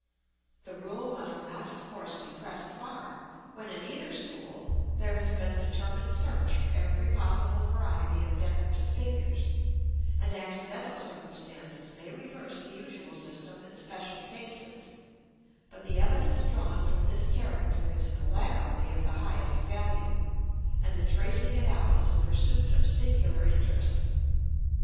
The rule must not of course be pressed far when, in either school, there has been determined search for every possible variety of decorative figures; and accidental circumstances may reverse the usual system in special cases; but the evidence drawn from this character is collaterally of the highest value, and the tracing it out is a pursuit of singular interest.